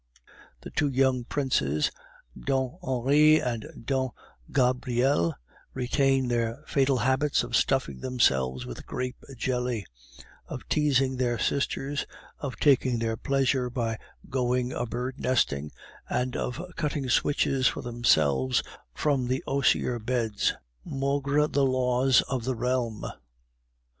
The two young Princes, Don Henri and Don Gabriel, retain their fatal habits of stuffing themselves with grape jelly, of teasing their sisters, of taking their pleasure by going a bird nesting, and of cutting switches for themselves from the osier beds, maugre the laws of the realm.